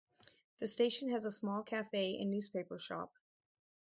The station has a small cafe and newspaper shop.